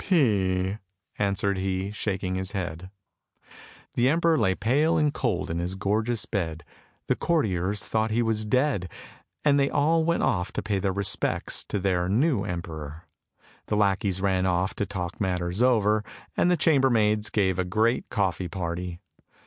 " P," answered he, shaking his head. The emperor lay pale and cold in his gorgeous bed, the courtiers thought he was dead, and they all went off to pay their respects to their new emperor. The lackeys ran off to talk matters over, and the chambermaids gave a great coffee party.